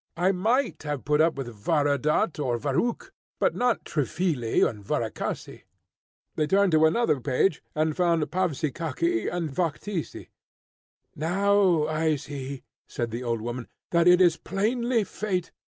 I might have put up with Varadat or Varukh, but not Triphily and Varakhasy!" They turned to another page and found Pavsikakhy and Vakhtisy. "Now I see," said the old woman, "that it is plainly fate.